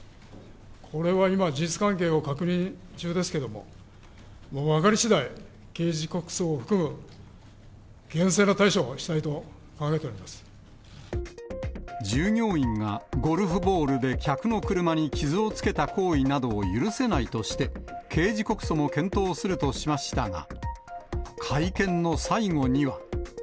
これは今、事実関係を確認中ですけども、もう分かりしだい、刑事告訴を含む厳正な対処をしたいと考えてお従業員がゴルフボールで客の車に傷をつけた行為などを許せないとして、刑事告訴も検討するとしましたが、会見の最後には。